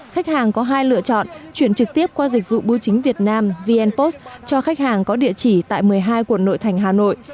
khách hàng có hai lựa chọn chuyển trực tiếp qua dịch vụ bưu chính việt nam vnpost cho khách hàng có địa chỉ tại một mươi hai quận nội thành hà nội